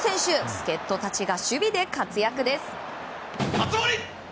助っ人たちが守備で活躍です。